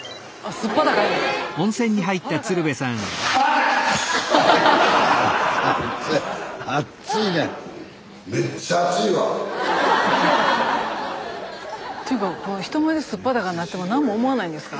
スタジオというか人前で素っ裸になっても何も思わないんですか？